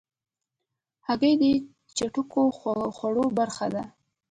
هګۍ د چټکو خوړو برخه ده.